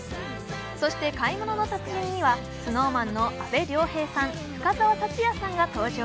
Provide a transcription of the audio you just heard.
そして「買い物の達人」にはＳｎｏｗＭａｎの阿部亮平さん、深澤辰哉さんが登場。